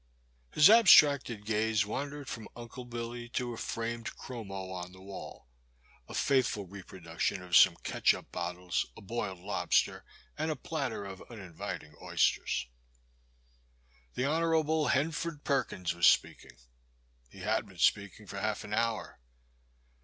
His abstracted gaze wandered from Unde Billy to a framed chromo on the wall, a faithfril reproduction of some catchup bottles, a boiled lob ster and a platter of uninviting oysters. The Hon. Hanford Perkins was speaking — he had been speaking for half an hour.